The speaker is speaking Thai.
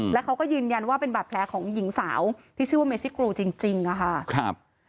แล้วเขาก็ยืนยันว่าเป็นบาดแผลของหญิงสาวที่ชื่อว่าเมซิกรูจริงอะค่ะครับ